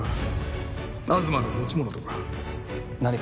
東の持ち物とか。